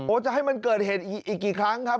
จะให้มันเกิดเหตุอีกกี่ครั้งครับ